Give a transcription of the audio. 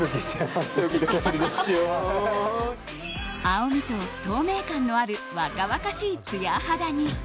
青みと透明感のある若々しい、ツヤ肌に。